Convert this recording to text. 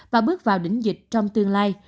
và bước vào đỉnh dịch trong tương lai